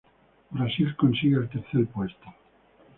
Brasil consigue el tercer puesto.